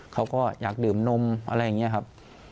เขาก็อยากดื่มนมอะไรอย่างนี้ครับ